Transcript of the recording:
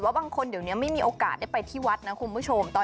บางคนเดี๋ยวนี้ไม่มีโอกาสได้ไปที่วัดนะคุณผู้ชม